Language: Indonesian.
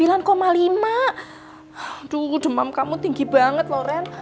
aduh demam kamu tinggi banget loh ren